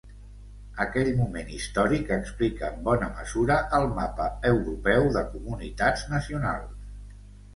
Aquell moment històric explica en bona mesura el mapa europeu de comunitats nacionals.